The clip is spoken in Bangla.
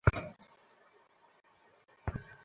আমি ওকে ভালোবাসি, বার্নার্ডো।